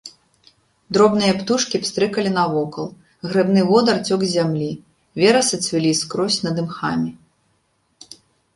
Дробныя птушкі пстрыкалі навокал, грыбны водар цёк з зямлі, верасы цвілі скрозь над імхамі.